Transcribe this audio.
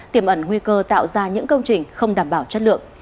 tiềm ẩn nguy cơ tạo ra những công trình không đảm bảo chất lượng